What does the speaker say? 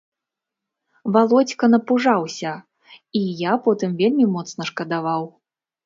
Валодзька напужаўся, і я потым вельмі моцна шкадаваў.